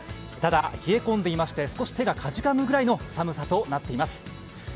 ただ冷え込んでいまして少し手がかじかむくらいの寒さとなっています。